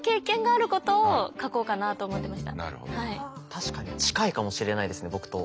確かに近いかもしれないですね僕と。